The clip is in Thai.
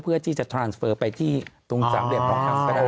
เพื่อที่จะทรัลเฟอร์ไปที่ตรงสามเดือนพระครัฐไปได้